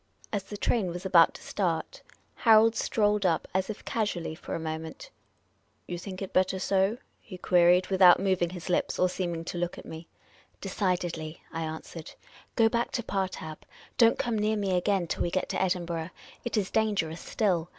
As the train was about to start, Harold strolled up as if casually for a moment. "You think it better so?" he queried, without moving his lips or seeming to look at me. " Decidedly," I answered. " Go back to Partab. Don't come near me again till w^e get to Edinburgh. It is danger ous still.